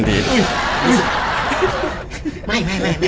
ไม่ได้